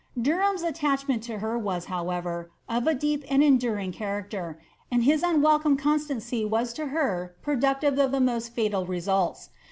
Derham's attachment to her was, however, of a deep and enduring character, and his unwelcome eoBstaocy was to her productive of the most fatal results.